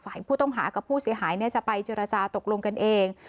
ฝ่ายผู้ต้องหากับผู้เสียหายจะไปเจรจาตกลงกันเอง